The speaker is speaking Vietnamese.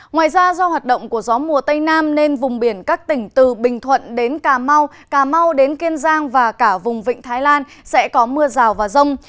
ngoài ra do hoạt động của gió mùa tây nam nên vùng biển các tỉnh từ bình thuận đến cà mau cà mau đến kiên giang và cả vùng vịnh thái lan sẽ có mưa rào và rông